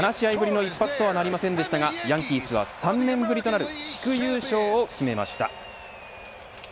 ７試合ぶりの一発とはなりませんでしたがヤンキースは３年ぶりとなる地区優勝を決めました。